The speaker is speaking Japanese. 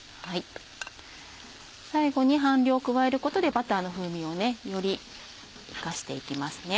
最後に半量加えることでバターの風味をより生かしていきますね。